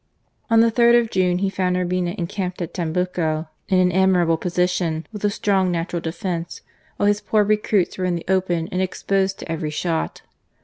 On the 3rd of June he found Urbina encamped at Tambucco in an admirable position with a strong natural defence, while his poor recruits were in the open and exposed to every shot.